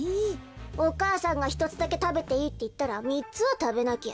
お母さんが「ひとつだけたべていい」っていったらみっつはたべなきゃ。